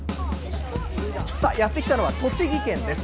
さあ、やって来たのは、栃木県です。